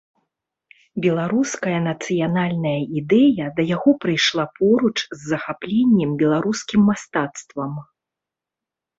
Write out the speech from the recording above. Беларуская нацыянальная ідэя да яго прыйшла поруч з захапленнем беларускім мастацтвам.